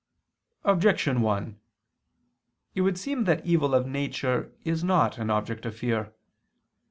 Objection 1: It would seem that evil of nature is not an object of fear.